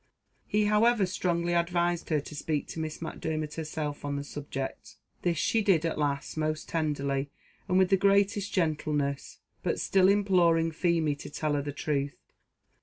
He, however, strongly advised her to speak to Miss Macdermot herself on the subject. This she did, at last, most tenderly, and with the greatest gentleness but still imploring Feemy to tell her the truth.